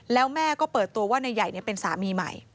แล้วแม่ก็เปิดตัวว่านายใหญ่เป็นสามีใหม่